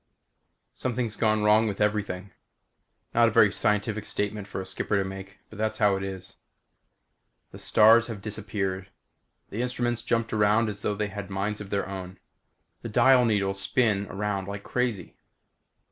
Something's gone wrong with everything. Not a very scientific statement for a skipper to make but that's how it is. The stars have disappeared. The instruments jumped around as though they had minds of their own. The dial needles spin around like crazy.